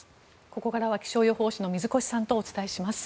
ここからは気象予報士の水越さんとお伝えします。